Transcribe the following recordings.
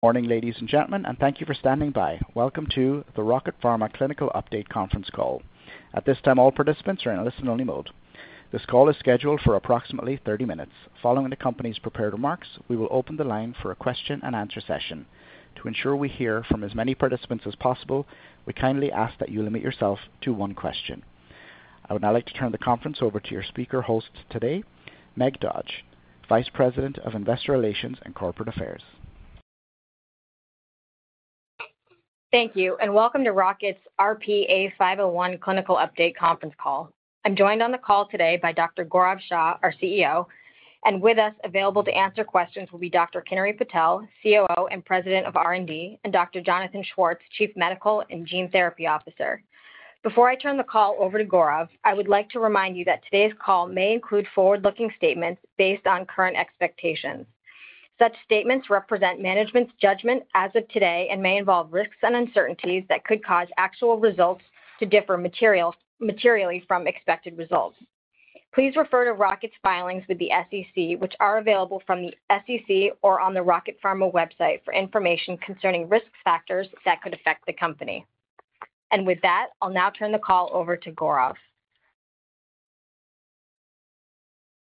Morning, ladies and gentlemen, and thank you for standing by. Welcome to the Rocket Pharma Clinical Update conference call. At this time, all participants are in a listen-only mode. This call is scheduled for approximately 30 minutes. Following the company's prepared remarks, we will open the line for a question-and-answer session. To ensure we hear from as many participants as possible, we kindly ask that you limit yourself to one question. I would now like to turn the conference over to your speaker host today, Meg Dodge, Vice President of Investor Relations and Corporate Affairs. Thank you, and welcome to Rocket's RP-A501 Clinical Update conference call. I'm joined on the call today by Dr. Gaurav Shah, our CEO, and with us available to answer questions will be Dr. Kinnari Patel, COO and President of R&D, and Dr. Jonathan Schwartz, Chief Medical and Gene Therapy Officer. Before I turn the call over to Gaurav, I would like to remind you that today's call may include forward-looking statements based on current expectations. Such statements represent management's judgment as of today and may involve risks and uncertainties that could cause actual results to differ materially from expected results. Please refer to Rocket's filings with the SEC, which are available from the SEC or on the Rocket Pharma website for information concerning risk factors that could affect the company. I will now turn the call over to Gaurav.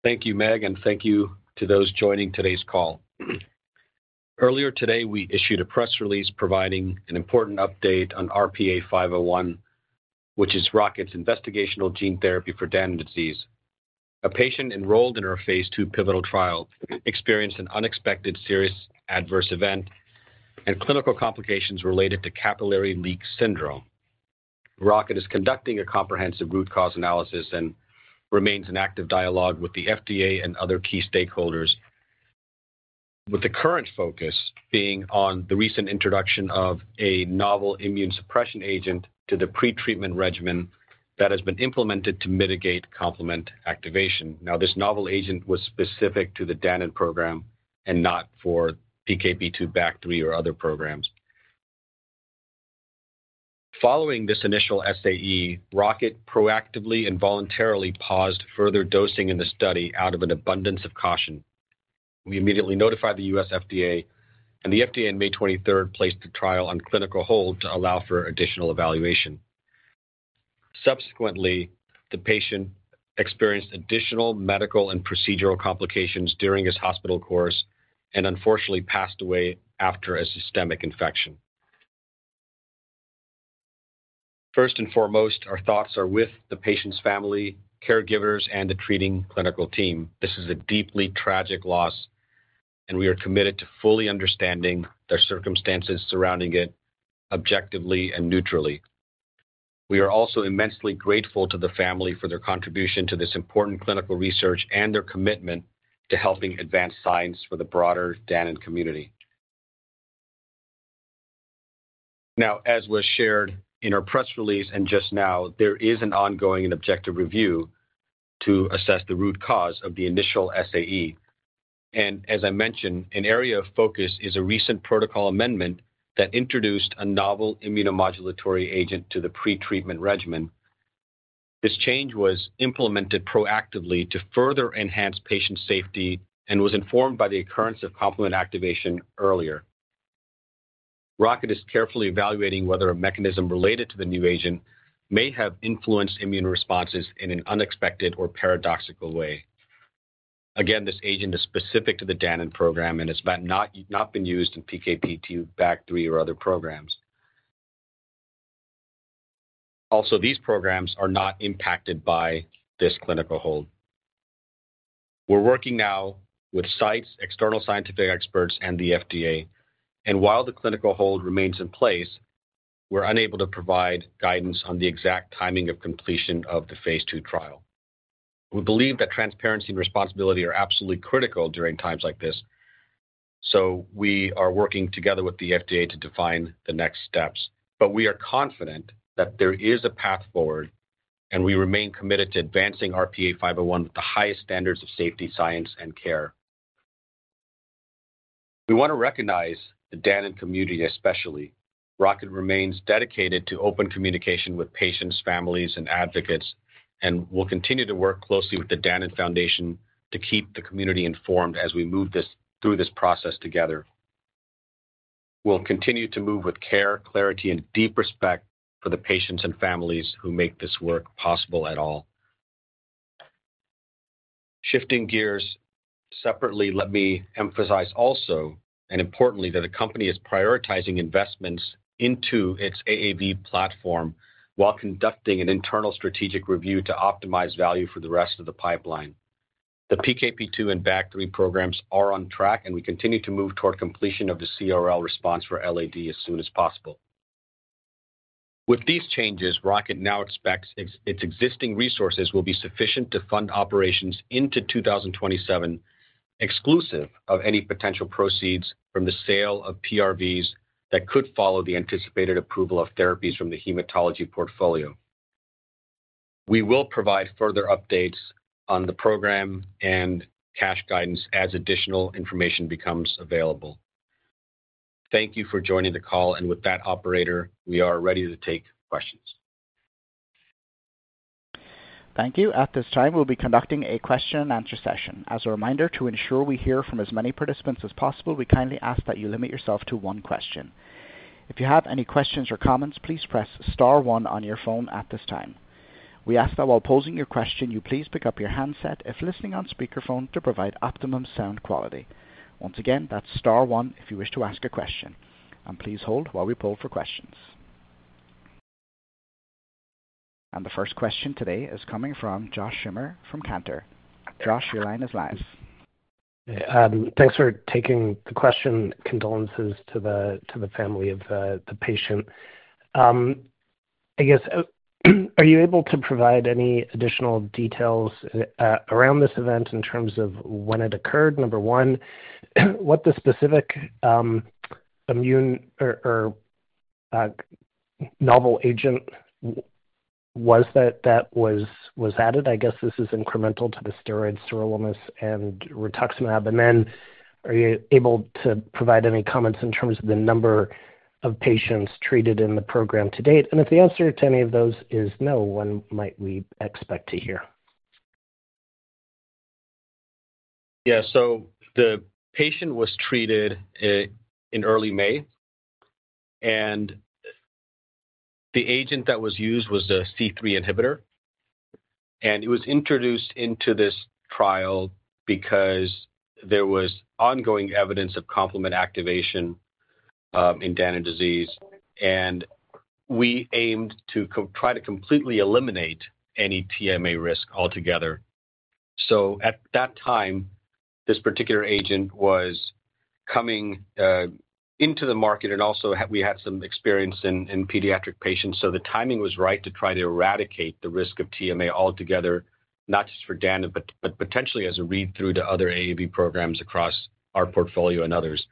Thank you, Meg, and thank you to those joining today's call. Earlier today, we issued a press release providing an important update on RP-A501, which is Rocket's investigational gene therapy for Danon disease. A patient enrolled in our phase II pivotal trial experienced an unexpected serious adverse event and clinical complications related to capillary leak syndrome. Rocket is conducting a comprehensive root cause analysis and remains in active dialogue with the FDA and other key stakeholders, with the current focus being on the recent introduction of a novel immune suppression agent to the pretreatment regimen that has been implemented to mitigate complement activation. Now, this novel agent was specific to the Danon program and not for PKP2, BAG3, or other programs. Following this initial SAE, Rocket proactively and voluntarily paused further dosing in the study out of an abundance of caution. We immediately notified the U.S. FDA, and the FDA on May 23rd placed the trial on clinical hold to allow for additional evaluation. Subsequently, the patient experienced additional medical and procedural complications during his hospital course and unfortunately passed away after a systemic infection. First and foremost, our thoughts are with the patient's family, caregivers, and the treating clinical team. This is a deeply tragic loss, and we are committed to fully understanding the circumstances surrounding it objectively and neutrally. We are also immensely grateful to the family for their contribution to this important clinical research and their commitment to helping advance science for the broader Danon community. Now, as was shared in our press release and just now, there is an ongoing and objective review to assess the root cause of the initial SAE. As I mentioned, an area of focus is a recent protocol amendment that introduced a novel immunomodulatory agent to the pretreatment regimen. This change was implemented proactively to further enhance patient safety and was informed by the occurrence of complement activation earlier. Rocket is carefully evaluating whether a mechanism related to the new agent may have influenced immune responses in an unexpected or paradoxical way. Again, this agent is specific to the Danon program and has not been used in PKP2, BAG3, or other programs. Also, these programs are not impacted by this clinical hold. We are working now with sites, external scientific experts, and the FDA. While the clinical hold remains in place, we are unable to provide guidance on the exact timing of completion of the phase II trial. We believe that transparency and responsibility are absolutely critical during times like this, so we are working together with the FDA to define the next steps. We are confident that there is a path forward, and we remain committed to advancing RP-A501 with the highest standards of safety, science, and care. We want to recognize the Danon community especially. Rocket remains dedicated to open communication with patients, families, and advocates, and will continue to work closely with the Danon Foundation to keep the community informed as we move through this process together. We will continue to move with care, clarity, and deep respect for the patients and families who make this work possible at all. Shifting gears separately, let me emphasize also and importantly that the company is prioritizing investments into its AAV platform while conducting an internal strategic review to optimize value for the rest of the pipeline. The PKP2 and BAG3 programs are on track, and we continue to move toward completion of the CRL response for LAD as soon as possible. With these changes, Rocket now expects its existing resources will be sufficient to fund operations into 2027, exclusive of any potential proceeds from the sale of PRVs that could follow the anticipated approval of therapies from the hematology portfolio. We will provide further updates on the program and cash guidance as additional information becomes available. Thank you for joining the call, and with that, Operator, we are ready to take questions. Thank you. At this time, we will be conducting a question-and-answer session. As a reminder, to ensure we hear from as many participants as possible, we kindly ask that you limit yourself to one question. If you have any questions or comments, please press star one on your phone at this time. We ask that while posing your question, you please pick up your handset, if listening on speakerphone, to provide optimum sound quality. Once again, that is star one if you wish to ask a question. Please hold while we pull for questions. The first question today is coming from Josh Schimmer from Cantor. Josh, your line is live. Thanks for taking the question. Condolences to the family of the patient. I guess, are you able to provide any additional details around this event in terms of when it occurred? Number one, what the specific immune or novel agent was that was added? I guess this is incremental to the steroids, sirolimus, and rituximab. Are you able to provide any comments in terms of the number of patients treated in the program to date? If the answer to any of those is no, when might we expect to hear? Yeah, so the patient was treated in early May, and the agent that was used was a C3 inhibitor. It was introduced into this trial because there was ongoing evidence of complement activation in Danon disease, and we aimed to try to completely eliminate any TMA risk altogether. At that time, this particular agent was coming into the market, and also we had some experience in pediatric patients, so the timing was right to try to eradicate the risk of TMA altogether, not just for Danon, but potentially as a read-through to other AAV programs across our portfolio and others.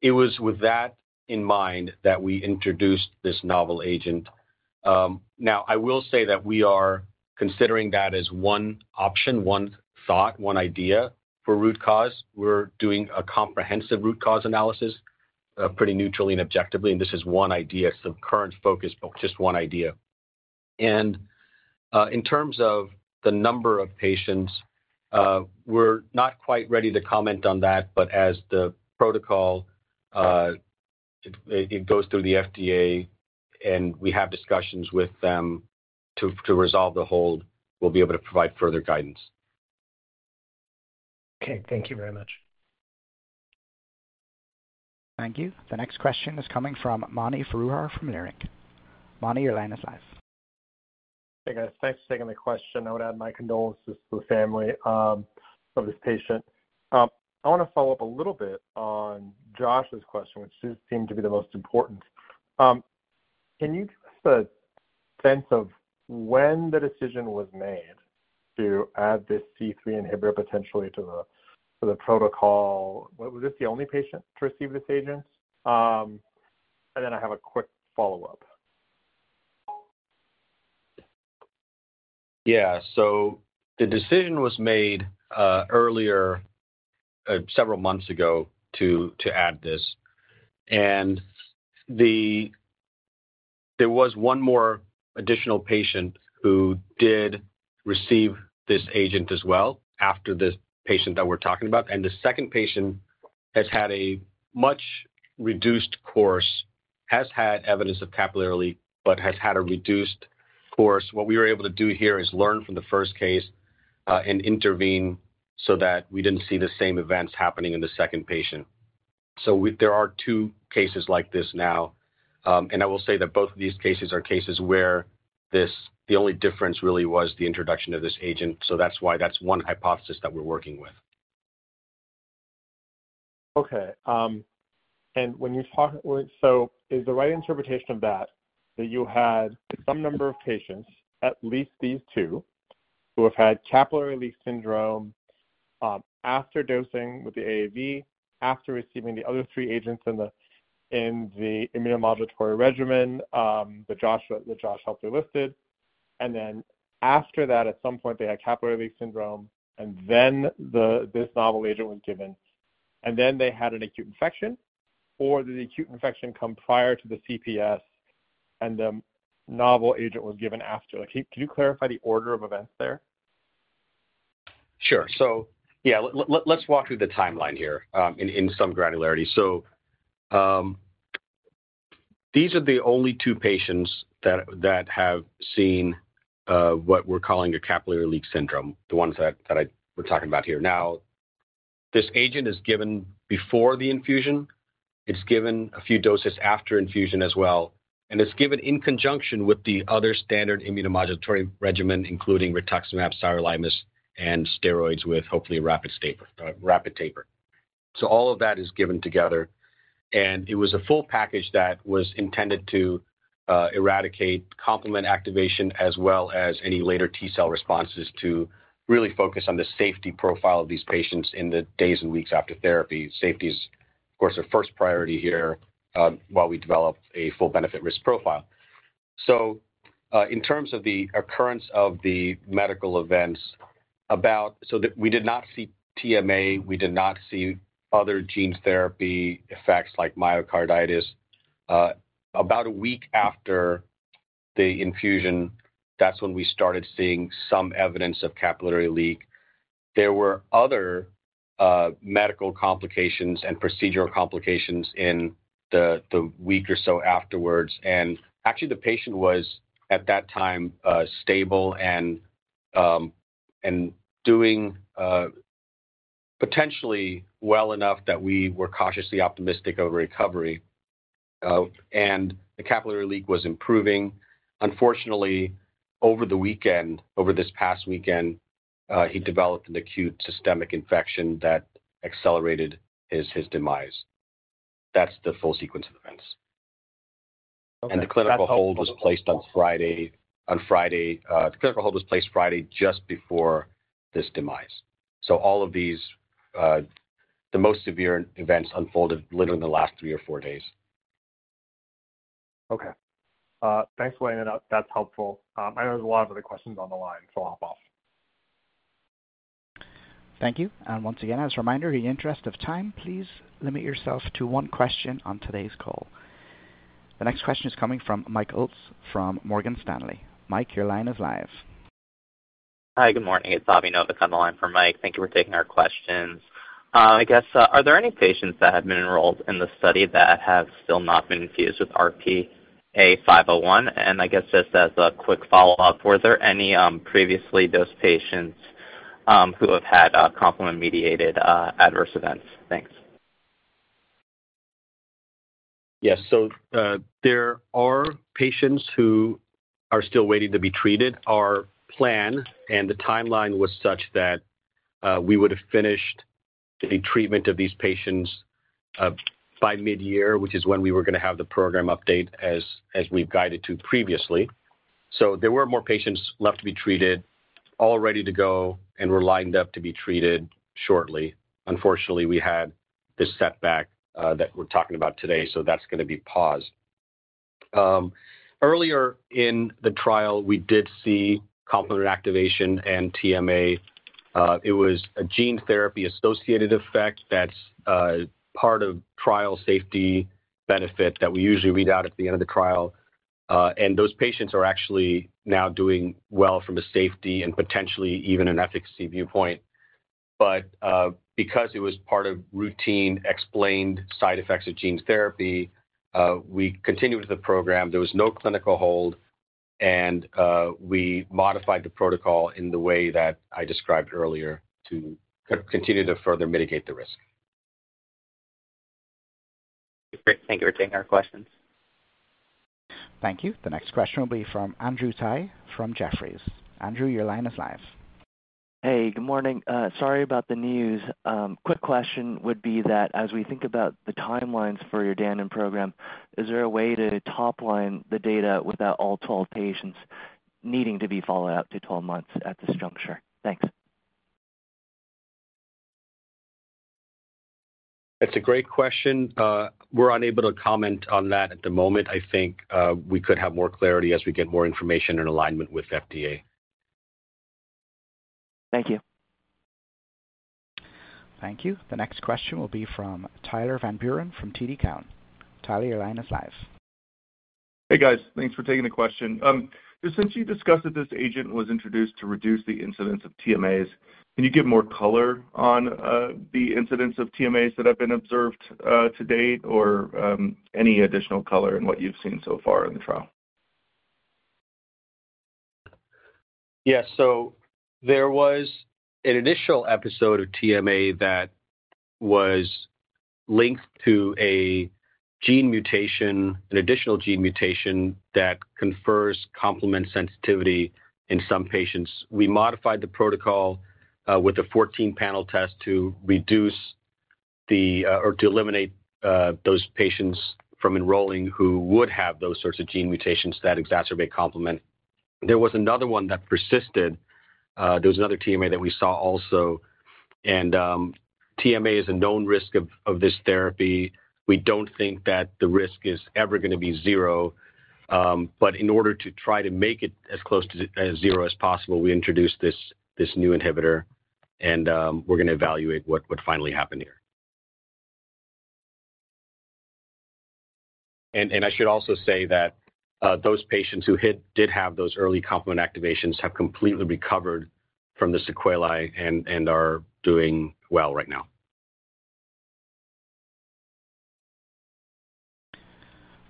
It was with that in mind that we introduced this novel agent. Now, I will say that we are considering that as one option, one thought, one idea for root cause. We're doing a comprehensive root cause analysis pretty neutrally and objectively, and this is one idea, so current focus, but just one idea. In terms of the number of patients, we're not quite ready to comment on that, but as the protocol, it goes through the FDA, and we have discussions with them to resolve the hold. We'll be able to provide further guidance. Okay, thank you very much. Thank you. The next question is coming from Mani Foroohar from Leerink. Mani, your line is live. Hey guys, thanks for taking the question. I would add my condolences to the family of this patient. I want to follow up a little bit on Josh's question, which seemed to be the most important. Can you give us a sense of when the decision was made to add this C3 inhibitor potentially to the protocol? Was this the only patient to receive this agent? I have a quick follow-up. Yeah, the decision was made earlier, several months ago, to add this. There was one more additional patient who did receive this agent as well after this patient that we are talking about. The second patient has had a much reduced course, has had evidence of capillary, but has had a reduced course. What we were able to do here is learn from the first case and intervene so that we did not see the same events happening in the second patient. There are two cases like this now. I will say that both of these cases are cases where the only difference really was the introduction of this agent, so that is why that is one hypothesis that we are working with. Okay. When you're talking, is the right interpretation of that that you had some number of patients, at least these two, who have had capillary leak syndrome after dosing with the AAV, after receiving the other three agents in the immunomodulatory regimen that Josh helped to list, and then after that, at some point, they had capillary leak syndrome, and then this novel agent was given, and then they had an acute infection, or did the acute infection come prior to the capillary leak syndrome, and the novel agent was given after? Can you clarify the order of events there? Sure. So yeah, let's walk through the timeline here in some granularity. These are the only two patients that have seen what we're calling a capillary leak syndrome, the ones that we're talking about here. Now, this agent is given before the infusion. It's given a few doses after infusion as well. It's given in conjunction with the other standard immunomodulatory regimen, including rituximab, sirolimus, and steroids with hopefully a rapid taper. All of that is given together. It was a full package that was intended to eradicate complement activation as well as any later T-cell responses to really focus on the safety profile of these patients in the days and weeks after therapy. Safety is, of course, our first priority here while we develop a full benefit risk profile. In terms of the occurrence of the medical events, we did not see TMA. We did not see other gene therapy effects like myocarditis. About a week after the infusion, that's when we started seeing some evidence of capillary leak. There were other medical complications and procedural complications in the week or so afterwards. Actually, the patient was at that time stable and doing potentially well enough that we were cautiously optimistic of recovery. The capillary leak was improving. Unfortunately, over the weekend, over this past weekend, he developed an acute systemic infection that accelerated his demise. That's the full sequence of events. The clinical hold was placed on Friday. The clinical hold was placed Friday just before this demise. All of these, the most severe events unfolded literally in the last three or four days. Okay. Thanks for letting me know. That's helpful. I know there's a lot of other questions on the line, so I'll hop off. Thank you. Once again, as a reminder, in the interest of time, please limit yourself to one question on today's call. The next question is coming from Mike Oates from Morgan Stanley. Mike, your line is live. Hi, good morning. It's Avraham Novick on the line for Mike. Thank you for taking our questions. I guess, are there any patients that have been enrolled in the study that have still not been infused with RP-A501? I guess just as a quick follow-up, were there any previously dosed patients who have had complement-mediated adverse events? Thanks. Yes, so there are patients who are still waiting to be treated. Our plan and the timeline was such that we would have finished the treatment of these patients by mid-year, which is when we were going to have the program update as we've guided to previously. There were more patients left to be treated, all ready to go, and were lined up to be treated shortly. Unfortunately, we had this setback that we're talking about today, so that's going to be paused. Earlier in the trial, we did see complement activation and TMA. It was a gene therapy associated effect that's part of trial safety benefit that we usually read out at the end of the trial. Those patients are actually now doing well from a safety and potentially even an efficacy viewpoint. Because it was part of routine explained side effects of gene therapy, we continued with the program. There was no clinical hold, and we modified the protocol in the way that I described earlier to continue to further mitigate the risk. Thank you for taking our questions. Thank you. The next question will be from Andrew Tai from Jefferies. Andrew, your line is live. Hey, good morning. Sorry about the news. Quick question would be that as we think about the timelines for your Danon program, is there a way to topline the data without all 12 patients needing to be followed up to 12 months at this juncture? Thanks. That's a great question. We're unable to comment on that at the moment. I think we could have more clarity as we get more information in alignment with FDA. Thank you. Thank you. The next question will be from Tyler Van Buren from TD Cowen. Tyler, your line is live. Hey guys, thanks for taking the question. Since you discussed that this agent was introduced to reduce the incidence of TMAs, can you give more color on the incidence of TMAs that have been observed to date, or any additional color in what you've seen so far in the trial? Yeah, so there was an initial episode of TMA that was linked to an additional gene mutation that confers complement sensitivity in some patients. We modified the protocol with a 14-panel test to reduce or to eliminate those patients from enrolling who would have those sorts of gene mutations that exacerbate complement. There was another one that persisted. There was another TMA that we saw also. And TMA is a known risk of this therapy. We do not think that the risk is ever going to be zero. In order to try to make it as close to zero as possible, we introduced this new inhibitor, and we are going to evaluate what finally happened here. I should also say that those patients who did have those early complement activations have completely recovered from the sequelae and are doing well right now.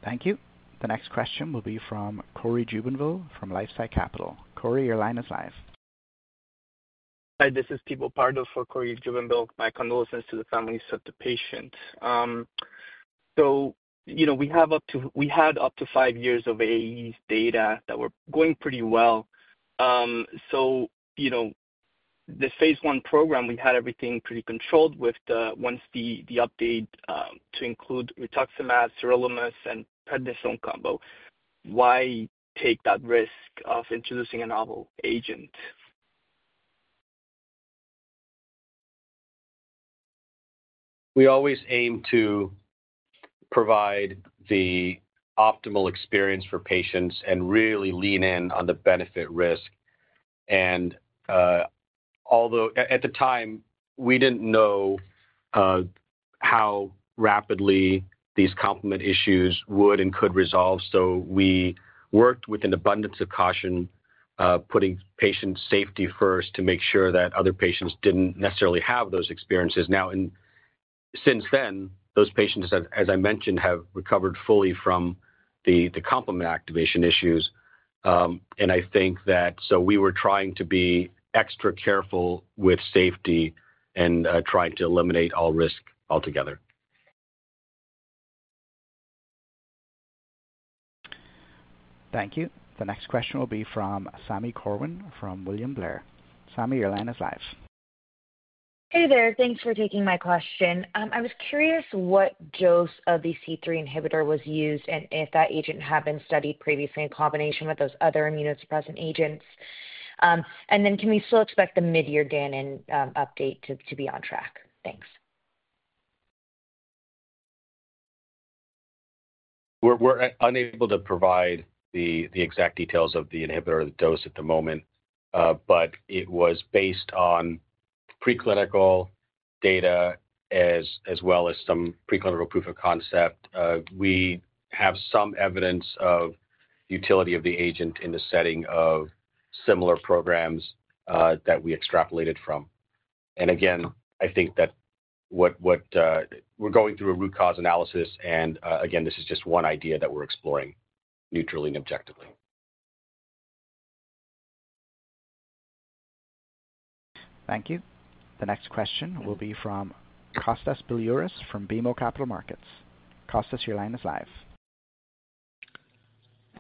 Thank you. The next question will be from Corey Jubenville from LifeSci Capital. Corey, your line is live. Hi, this is Thibaut Pardo for Corey Jubenville. My condolences to the families of the patients. We had up to five years of AAV data that were going pretty well. The phase I program, we had everything pretty controlled with once the update to include rituximab, sirolimus, and prednisone combo. Why take that risk of introducing a novel agent? We always aim to provide the optimal experience for patients and really lean in on the benefit risk. At the time, we did not know how rapidly these complement issues would and could resolve. We worked with an abundance of caution, putting patient safety first to make sure that other patients did not necessarily have those experiences. Since then, those patients, as I mentioned, have recovered fully from the complement activation issues. I think that we were trying to be extra careful with safety and trying to eliminate all risk altogether. Thank you. The next question will be from Sami Corwin from William Blair. Sami, your line is live. Hey there. Thanks for taking my question. I was curious what dose of the C3 inhibitor was used and if that agent had been studied previously in combination with those other immunosuppressant agents. Can we still expect the mid-year Danon update to be on track? Thanks. We're unable to provide the exact details of the inhibitor dose at the moment, but it was based on preclinical data as well as some preclinical proof of concept. We have some evidence of utility of the agent in the setting of similar programs that we extrapolated from. I think that we're going through a root cause analysis. This is just one idea that we're exploring neutrally and objectively. Thank you. The next question will be from Kostas Biliouris from BMO Capital Markets. Kostas, your line is live.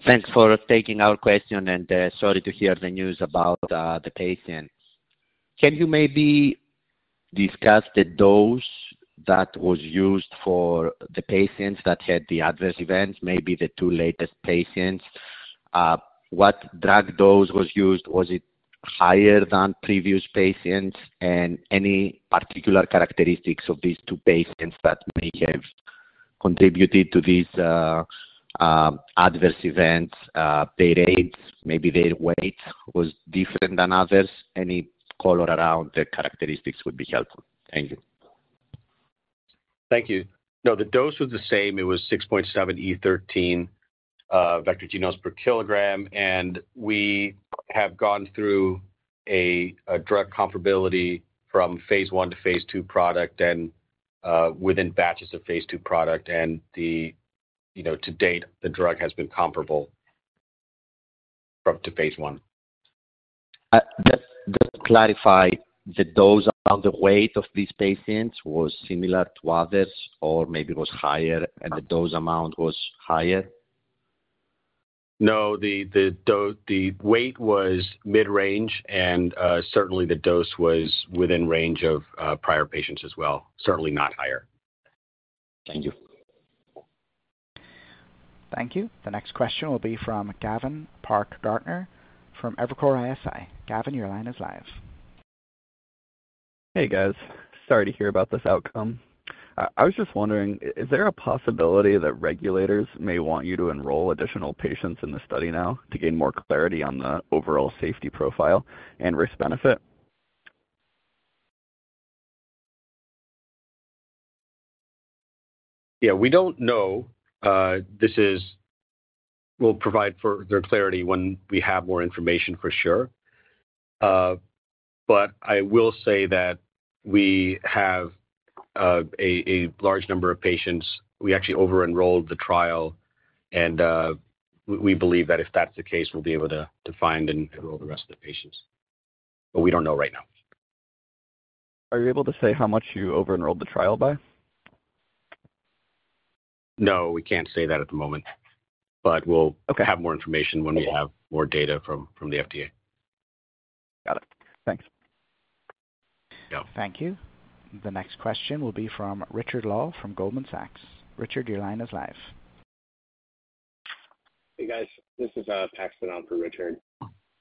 Thanks for taking our question and sorry to hear the news about the patient. Can you maybe discuss the dose that was used for the patients that had the adverse events, maybe the two latest patients? What drug dose was used? Was it higher than previous patients? Any particular characteristics of these two patients that may have contributed to these adverse events? Their age, maybe their weight was different than others? Any color around the characteristics would be helpful. Thank you. Thank you. No, the dose was the same. It was 6.7 E13 vector genomes per kilogram. We have gone through a drug comparability from phase I to phase II product and within batches of phase II product. To date, the drug has been comparable up to phase I. Just clarify, the dose amount, the weight of these patients was similar to others, or maybe it was higher, and the dose amount was higher? No, the weight was mid-range, and certainly the dose was within range of prior patients as well. Certainly not higher. Thank you. Thank you. The next question will be from Gavin Clark-Gartner from Evercore ISI. Gavin, your line is live. Hey, guys. Sorry to hear about this outcome. I was just wondering, is there a possibility that regulators may want you to enroll additional patients in the study now to gain more clarity on the overall safety profile and risk-benefit? Yeah, we don't know. This will provide further clarity when we have more information for sure. I will say that we have a large number of patients. We actually over-enrolled the trial, and we believe that if that's the case, we'll be able to find and enroll the rest of the patients. We don't know right now. Are you able to say how much you over-enrolled the trial by? No, we can't say that at the moment. We'll have more information when we have more data from the FDA. Got it. Thanks. Thank you. The next question will be from Richard Law from Goldman Sachs. Richard, your line is live. Hey, guys. This is Paxton Al for Richard.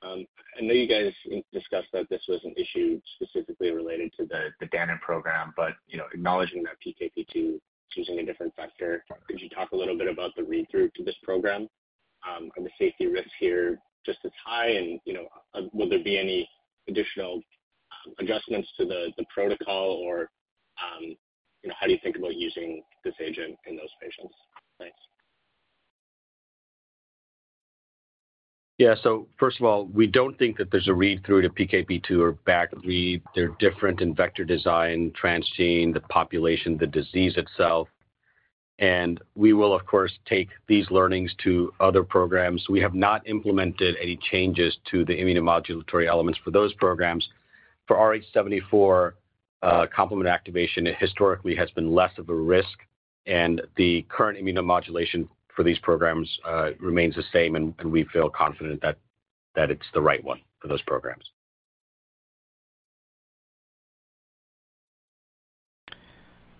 I know you guys discussed that this was an issue specifically related to the Danon program, but acknowledging that PKP2 is using a different vector, could you talk a little bit about the read-through to this program? Are the safety risks here just as high, and will there be any additional adjustments to the protocol, or how do you think about using this agent in those patients? Thanks. Yeah, so first of all, we do not think that there is a read-through to PKP2 or back read. They are different in vector design, transgene, the population, the disease itself. We will, of course, take these learnings to other programs. We have not implemented any changes to the immunomodulatory elements for those programs. For RH74, complement activation historically has been less of a risk, and the current immunomodulation for these programs remains the same, and we feel confident that it is the right one for those programs.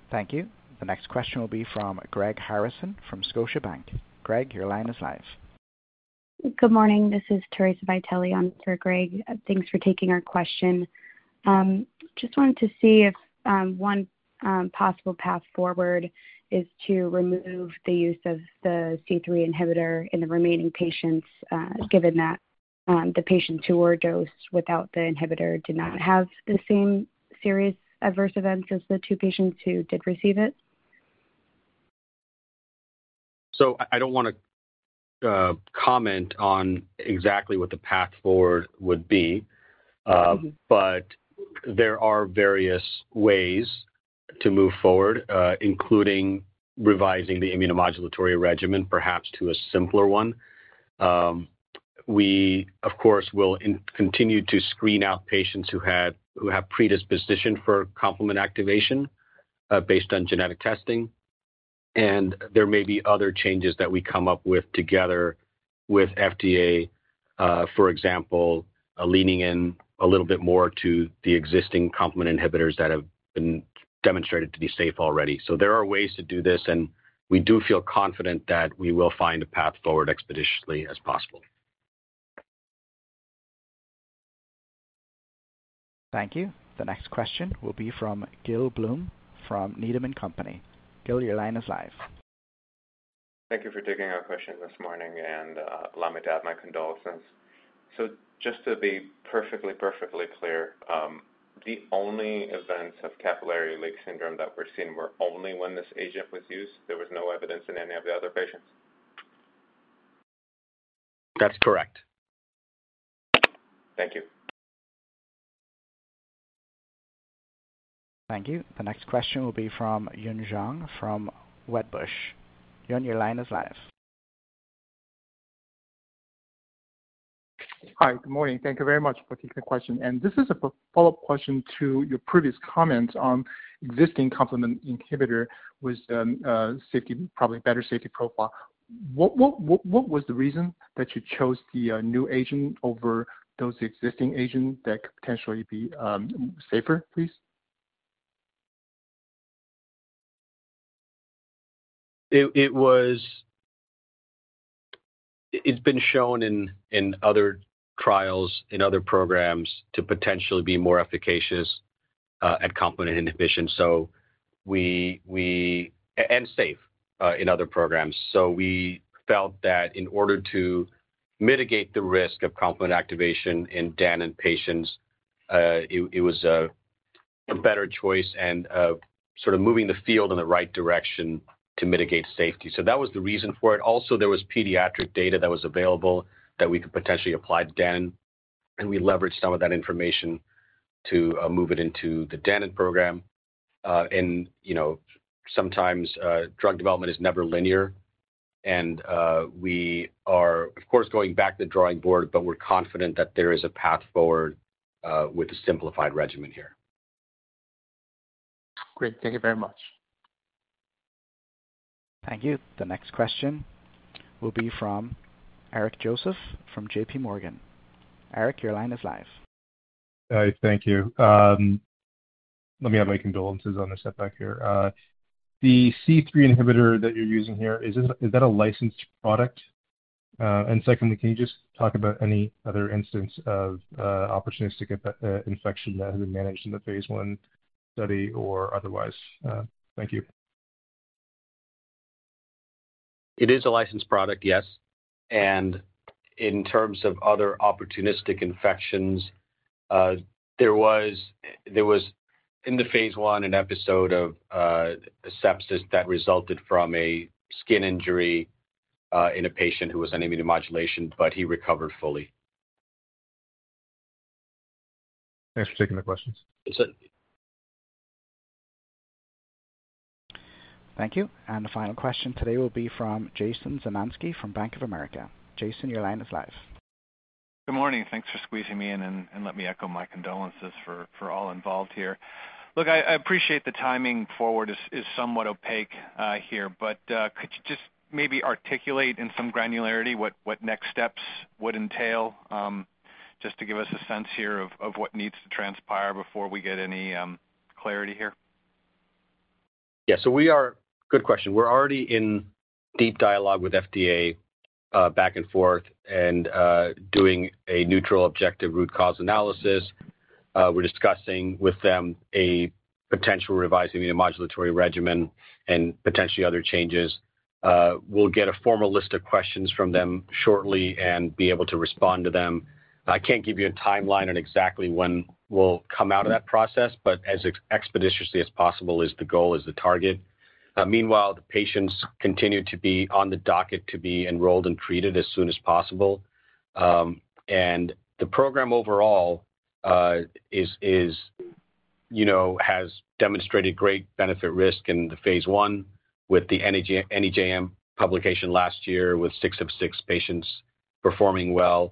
Thank you. The next question will be from Greg Harrison from Scotiabank. Greg, your line is live. Good morning. This is Teraesa Vitelli. I'm for Greg. Thanks for taking our question. Just wanted to see if one possible path forward is to remove the use of the C3 inhibitor in the remaining patients, given that the patients who were dosed without the inhibitor did not have the same serious adverse events as the two patients who did receive it. I do not want to comment on exactly what the path forward would be, but there are various ways to move forward, including revising the immunomodulatory regimen, perhaps to a simpler one. We, of course, will continue to screen out patients who have predisposition for complement activation based on genetic testing. There may be other changes that we come up with together with FDA, for example, leaning in a little bit more to the existing complement inhibitors that have been demonstrated to be safe already. There are ways to do this, and we do feel confident that we will find a path forward as expeditiously as possible. Thank you. The next question will be from Gil Blum from Needham & Company. Gil, your line is live. Thank you for taking our question this morning, and allow me to add my condolences. Just to be perfectly, perfectly clear, the only events of capillary leak syndrome that were seen were only when this agent was used. There was no evidence in any of the other patients. That's correct. Thank you. Thank you. The next question will be from Yun Zhong from Wedbush. Yun, your line is live. Hi, good morning. Thank you very much for taking the question. This is a follow-up question to your previous comment on existing complement inhibitor with probably better safety profile. What was the reason that you chose the new agent over those existing agents that could potentially be safer, please? It's been shown in other trials, in other programs, to potentially be more efficacious at complement inhibition and safe in other programs. We felt that in order to mitigate the risk of complement activation in Danon patients, it was a better choice and sort of moving the field in the right direction to mitigate safety. That was the reason for it. Also, there was pediatric data that was available that we could potentially apply to Danon. We leveraged some of that information to move it into the Danon program. Sometimes drug development is never linear. We are, of course, going back to the drawing board, but we're confident that there is a path forward with a simplified regimen here. Great. Thank you very much. Thank you. The next question will be from Eric Joseph from JPMorgan. Eric, your line is live. Hi. Thank you. Let me add my condolences on a setback here. The C3 inhibitor that you're using here, is that a licensed product? Secondly, can you just talk about any other instance of opportunistic infection that has been managed in the phase I study or otherwise? Thank you. It is a licensed product, yes. In terms of other opportunistic infections, there was in the phase I an episode of sepsis that resulted from a skin injury in a patient who was on immunomodulation, but he recovered fully. Thanks for taking the questions. Thank you. The final question today will be from Jason Zemansky from Bank of America. Jason, your line is live. Good morning. Thanks for squeezing me in, and let me echo my condolences for all involved here. Look, I appreciate the timing forward is somewhat opaque here, but could you just maybe articulate in some granularity what next steps would entail just to give us a sense here of what needs to transpire before we get any clarity here? Yeah. Good question. We're already in deep dialogue with FDA back and forth and doing a neutral, objective root cause analysis. We're discussing with them a potential revised immunomodulatory regimen and potentially other changes. We'll get a formal list of questions from them shortly and be able to respond to them. I can't give you a timeline on exactly when we'll come out of that process, but as expeditiously as possible is the goal, is the target. Meanwhile, the patients continue to be on the docket to be enrolled and treated as soon as possible. The program overall has demonstrated great benefit-risk in the phase I with the NEJM publication last year with six of six patients performing well.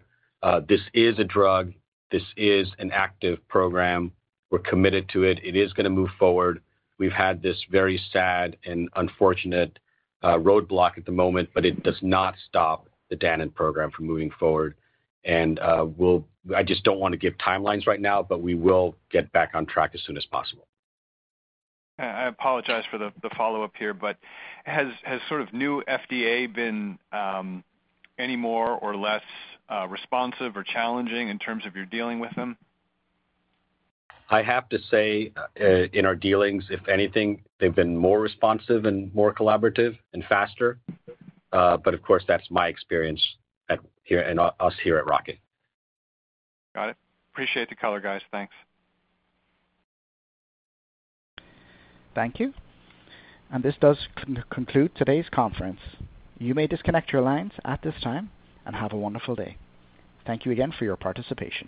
This is a drug. This is an active program. We're committed to it. It is going to move forward. We've had this very sad and unfortunate roadblock at the moment, but it does not stop the Danon program from moving forward. I just don't want to give timelines right now, but we will get back on track as soon as possible. I apologize for the follow-up here, but has sort of new FDA been any more or less responsive or challenging in terms of your dealing with them? I have to say in our dealings, if anything, they've been more responsive and more collaborative and faster. Of course, that's my experience here and us here at Rocket. Got it. Appreciate the color, guys. Thanks. Thank you. This does conclude today's conference. You may disconnect your lines at this time and have a wonderful day. Thank you again for your participation.